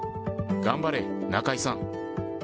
頑張れ、中居さん。